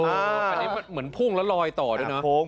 อันนี้เหมือนพุ่งแล้วลอยต่อด้วยนะ